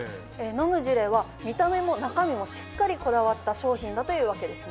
飲むジュレは見た目も中身もしっかりこだわった商品だというわけですね。